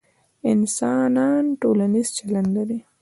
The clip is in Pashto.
انسانان ټولنیز چلند لري،